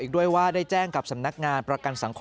เพราะว่าเราอยู่ในเครือโรงพยาบาลกรุงเทพฯนี่ก็เป็นในระดับโลก